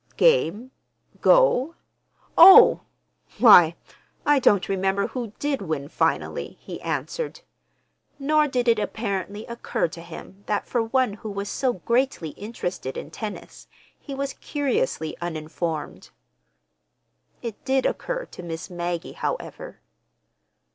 "Game? Go? Oh! Why, I don't remember who did win finally," he answered. Nor did it apparently occur to him that for one who was so greatly interested in tennis, he was curiously uninformed. It did occur to Miss Maggie, however.